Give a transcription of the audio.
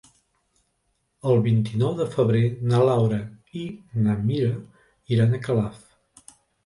El vint-i-nou de febrer na Laura i na Mira iran a Calaf.